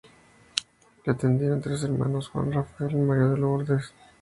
Le antecedieron tres hermanos: Juan, Rafael y María Lourdes.